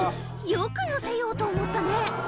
よく載せようと思ったね